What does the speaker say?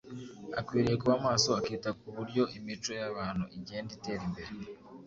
Akwiriye kuba maso akita ku buryo imico y’abantu igenda itera imbere.